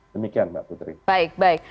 demikian mbak putri